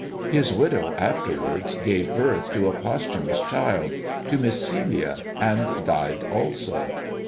His widow after wards gave birth to a posthumous child — to Miss Celia, and died also.